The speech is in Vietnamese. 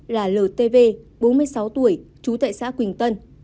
là l t v bốn mươi sáu tuổi trú tại xã quỳnh tân